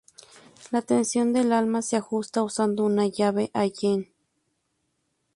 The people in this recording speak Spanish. La tensión del alma se ajusta usando una llave Allen.